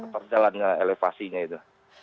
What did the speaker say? perjalanan elevasinya itu